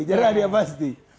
jerah dia pasti